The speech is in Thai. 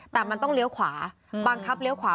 แต่มันต้องเลี้ยวขวาบังคับเลี้ยวขวา